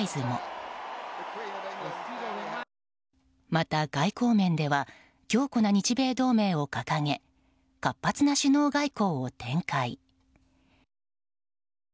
また、外交面では強固な日米同盟を掲げ活発な首脳外交を展開。